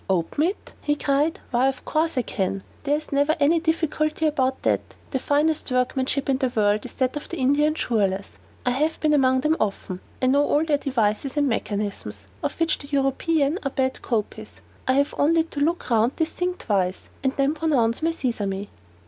"Open it?" he cried; "why, of course I can; there is never any difficulty about that. The finest workmanship in the world is that of the Indian jewelers. I have been among them often; I know all their devices and mechanism, of which the European are bad copies. I have only to look round this thing twice, and then pronounce my Sesame."